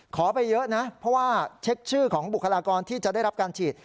ขอไปเยอะนะเพราะว่าเช็คชื่อของบุคลากรที่จะได้รับการฉีด